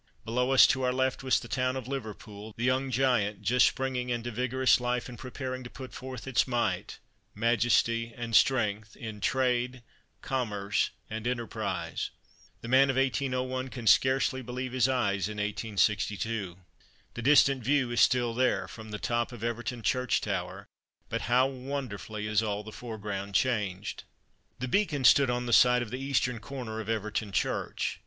Below us, to our left, was the town of Liverpool, the young giant just springing into vigorous life and preparing to put forth its might, majesty and strength, in Trade, Commerce, and Enterprise. The man of 1801 can scarcely believe his eyes in 1862. The distant view is still there, from the top of Everton church tower, but how wonderfully is all the foreground changed. The Beacon stood on the site of the eastern corner of Everton church.